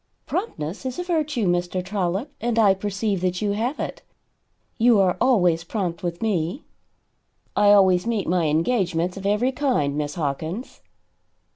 "Promptness is a virtue, Mr. Trollop, and I perceive that you have it. You are always prompt with me." "I always meet my engagements, of every kind, Miss Hawkins."